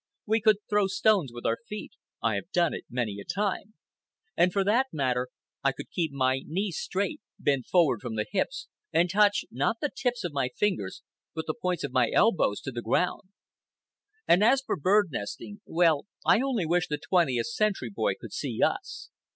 We could throw stones with our feet. I have done it many a time. And for that matter, I could keep my knees straight, bend forward from the hips, and touch, not the tips of my fingers, but the points of my elbows, to the ground. And as for bird nesting—well, I only wish the twentieth century boy could see us.